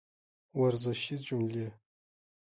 ورزشي جملې